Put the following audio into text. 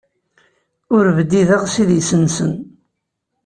Ur bdideɣ s idis-nsen.